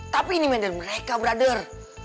tapi ini main dari mereka brother